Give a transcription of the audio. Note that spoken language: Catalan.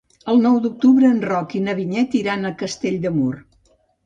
El nou d'octubre en Roc i na Vinyet iran a Castell de Mur.